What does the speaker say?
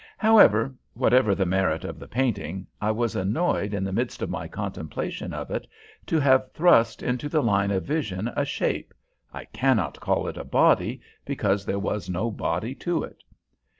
However, whatever the merit of the painting, I was annoyed in the midst of my contemplation of it to have thrust into the line of vision a shape I cannot call it a body because there was no body to it.